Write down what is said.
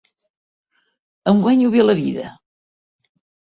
Em guanyo bé la vida.